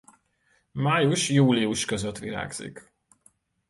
Május-július között virágzik.